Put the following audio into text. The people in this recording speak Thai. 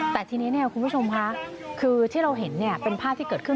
แต่ทีนี้คุณผู้ชมค่ะคือที่เราเห็นเป็นภาพที่เกิดขึ้น